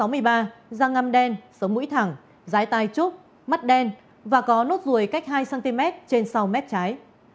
một m sáu mươi ba da ngăm đen sống mũi thẳng dái tay trúc mắt đen và có nốt ruồi cách hai cm trên sau mét trái